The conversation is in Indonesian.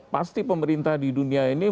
pasti pemerintah di dunia ini